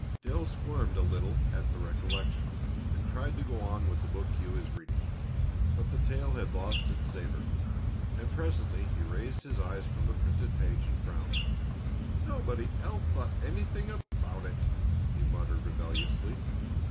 Dale squirmed a little at the recollection and tried to go on with the book he was reading. But the tale had lost its savor, and presently he raised his eyes from the printed page and frowned. "Nobody else thought anything about it!" he muttered rebelliously.